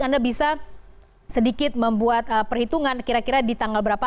anda bisa sedikit membuat perhitungan kira kira di tanggal berapa